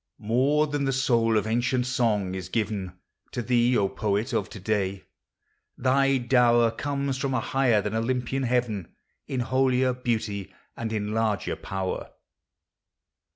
More than the soul of ancient song is given To thee, O poet of to day !— thy dower Comes, from a higher than Olympian heaven, In holier beauty and in larger power.